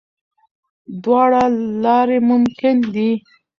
دواړه لارې ممکن دي.